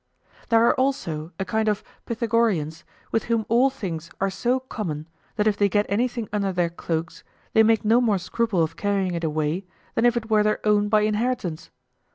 There are also a kind of Pythagoreans with whom all things are so common that if they get anything under their cloaks, they make no more scruple of carrying it away than if it were their own by inheritance.